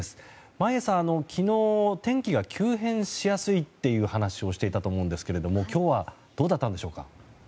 眞家さん、昨日天気が急変しやすいっていう話をしていたと思うんですが今日はどうだったんでしょうか。